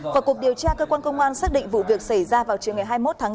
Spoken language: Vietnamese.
vào cuộc điều tra cơ quan công an xác định vụ việc xảy ra vào trưa ngày hai mươi một tháng tám